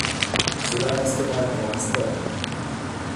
Cela restera un grand mystère...